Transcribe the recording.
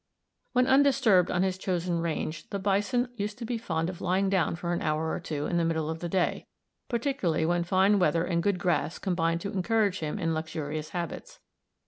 When undisturbed on his chosen range, the bison used to be fond of lying down for an hour or two in the middle of the day, particularly when fine weather and good grass combined to encourage him in luxurious habits.